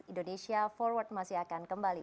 indonesia forward masih akan kembali